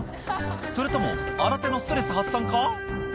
それとも新手のストレス発散か？